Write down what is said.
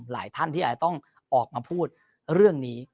หลายท่านที่อาจจะต้องออกมาพูดเรื่องนี้